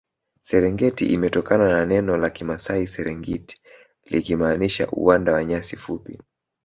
serengeti imetokana na neno la kimasai serengit likimaanisha uwanda wa nyasi fupi